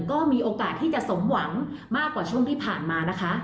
ก็มีโอกาสที่จะสมหวังมากกว่าช่วงที่ผ่านมานะคะ